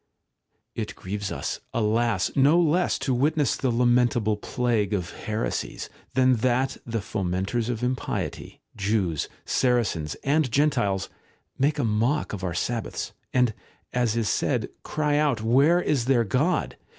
§ 3. It grieves us, alas ! no less to witness the lamen table plague of heresies, than that the fomenters of impiety, Jews, Saracens, and Gentiles, make a mock of our Sab baths, and, as is said, cry out ' Where is their God